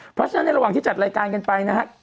เพราะฉะนั้นในระหว่างที่จัดรายการกันไปนะครับ